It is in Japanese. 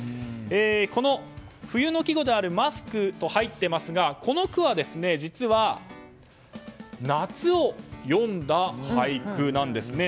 この冬の季語であるマスクと入っていますがこの句は実は夏を詠んだ俳句なんですね。